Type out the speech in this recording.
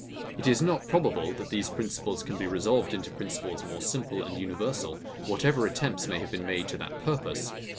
It is not probable, that these principles can be resolved into principles more simple and universal, whatever attempts may have been made to that purpose.